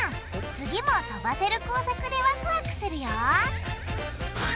次も飛ばせる工作でワクワクするよ！